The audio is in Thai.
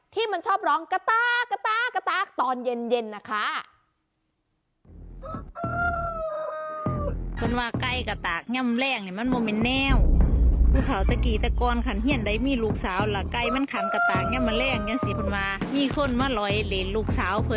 ที่มันชอบร้องกะต๊ากะต๊ากะต๊า